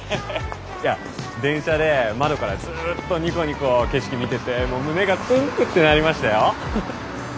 いや電車で窓からずっとニコニコ景色見てて胸がトゥンクってなりましたよ。